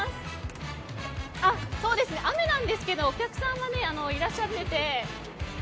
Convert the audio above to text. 雨なんですけどお客さんはいらっしゃってて。